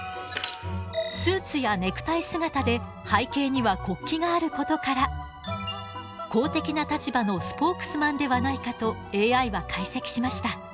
スーツやネクタイ姿で背景には国旗があることから公的な立場のスポークスマンではないかとＡＩは解析しました。